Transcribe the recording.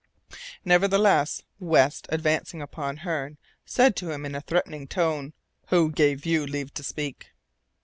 Nevertheless, West, advancing upon Hearne, said to him in a threatening tone, "Who gave you leave to speak?"